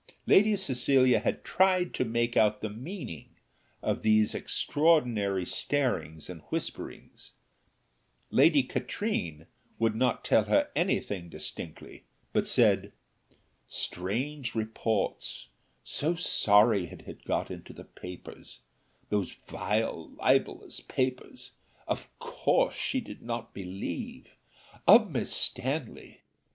Lady Cecilia had tried to make out the meaning of these extraordinary starings and whisperings Lady Katrine would not tell her any thing distinctly, but said, "Strange reports so sorry it had got into the papers, those vile libellous papers; of course she did not believe of Miss Stanley.